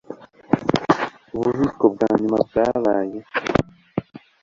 Ububiko bwa nyuma bwabaye